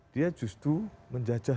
dia justru menjajah